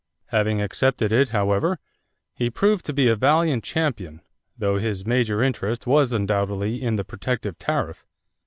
Having accepted it, however, he proved to be a valiant champion, though his major interest was undoubtedly in the protective tariff.